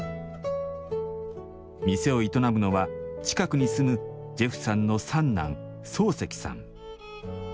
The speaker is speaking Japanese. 店を営むのは、近くに住むジェフさんの三男・漱石さん。